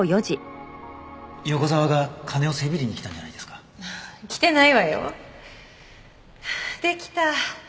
横沢が金をせびりに来たんじゃないですか？来てないわよ。できた！